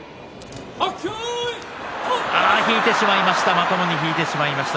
まともに引いてしまいました。